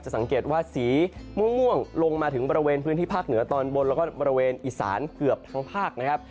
สังเกตว่าสีม่วงลงมาถึงบริเวณพื้นที่ภาคเหนือตอนบนแล้วก็บริเวณอีสานเกือบทั้งภาคนะครับ